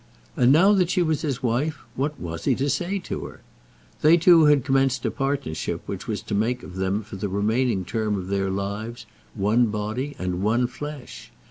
And now that she was his wife, what was he to say to her? They two had commenced a partnership which was to make of them for the remaining term of their lives one body and one flesh.